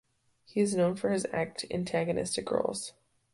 He is known for his antagonistic roles.